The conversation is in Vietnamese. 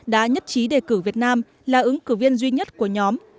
đã nhất trí đề cử việt nam là ứng cử viên duy nhất của nhóm